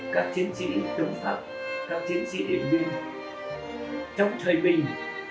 các chiến sĩ chống pháp các chiến sĩ điện viên chống thời bình